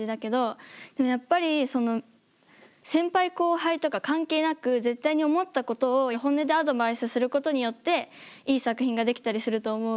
でもやっぱり先輩後輩とか関係なく絶対に思ったことを本音でアドバイスすることによっていい作品が出来たりすると思うから。